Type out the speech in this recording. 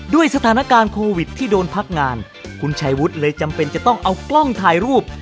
ด้วยสถานการณ์โควิดที่โดนพักงานคุณชายวุฒิเลยจำเป็นจะต้องเอากล้องถ่ายรูป